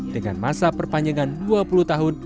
dengan masa perpanjangan dua puluh tahun